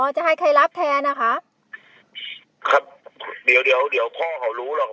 จะให้ใครรับแทนนะคะครับเดี๋ยวเดี๋ยวเดี๋ยวพ่อเขารู้หรอก